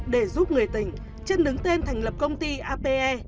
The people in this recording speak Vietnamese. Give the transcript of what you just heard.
để giúp người tỉnh chân đứng tên thành lập công ty ape